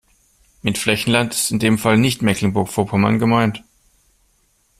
Mit Flächenland ist in dem Fall nicht Mecklenburg-Vorpommern gemeint.